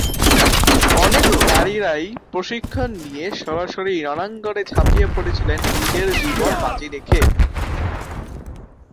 অনেক নারীরাই প্রশিক্ষণ নিয়ে সরাসরি রণাঙ্গনে ঝাপিয়ে পড়েছিলেন নিজের জীবন বাজি রেখে।